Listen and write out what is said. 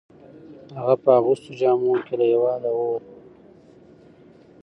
هغه په اغوستو جامو کې له هیواده وووت.